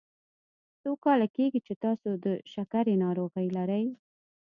څو کاله کیږي چې تاسو د شکرې ناروغي لری؟